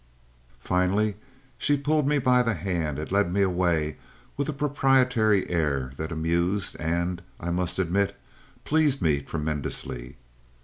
Finally she pulled me by the hand and led me away with a proprietary air that amused and, I must admit, pleased me tremendously.